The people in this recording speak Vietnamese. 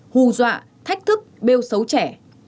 hù dọa thách thức bêu xấu trẻ